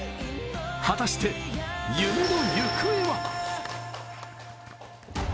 果たして、夢の行方は。